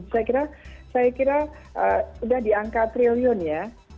saya kira sudah di angka triliun ya